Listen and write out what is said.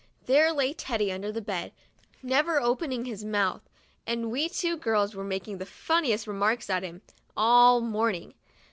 There lay Teddy under the bed, never opening his mouth, and we two girls were making the funniest remarks at him, all morning.